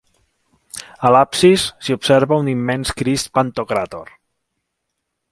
A l'absis, s'hi observa un immens Crist pantocràtor.